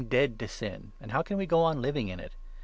(jead to sjn> amj |1OW can We go on living in it?